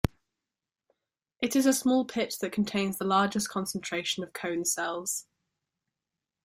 It is a small pit that contains the largest concentration of cone cells.